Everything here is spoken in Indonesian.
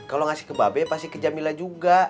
kalau ngasih ke babe pasti ke jamila juga